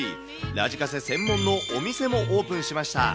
ラジカセ専門のお店もオープンしました。